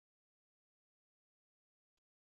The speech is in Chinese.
圆瓣冷水麻